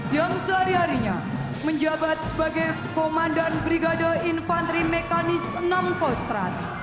yang sehari harinya menjabat sebagai komandan brigade infanteri mekanis enam fostrad